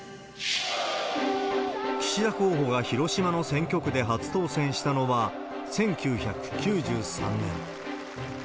岸田候補が広島の選挙区で初当選したのは１９９３ねん。